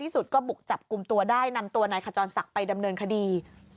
สุดยอดจริงเลยนี่